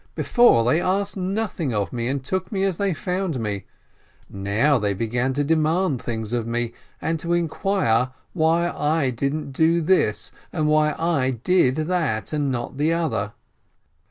Before, they asked nothing of me, and took me as they found me, now they began to demand things of me and to inquire why I didn't do this, and why I did that, and not the other.